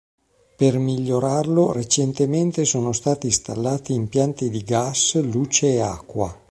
Per migliorarlo recentemente sono stati installati impianti di gas, luce e acqua.